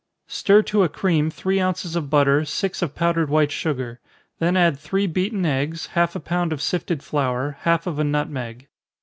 _ Stir to a cream three ounces of butter, six of powdered white sugar then add three beaten eggs, half a pound of sifted flour, half of a nutmeg.